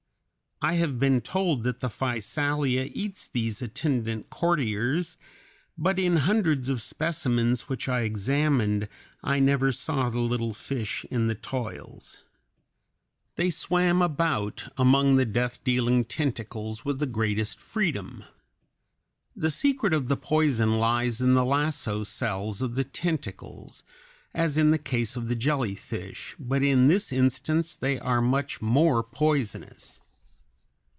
I have been told that the Physalia eats these attendant courtiers, but in hundreds of specimens which I examined I never saw the little fish in the toils. They swam about among the death dealing tentacles with the greatest freedom. The secret of the poison lies in the lasso cells of the tentacles, as in the case of the jellyfish, but in this instance they are much more poisonous.